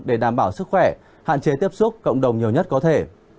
để đảm bảo sức khỏe hạn chế tiếp xúc cộng đồng nhiều nhất có thể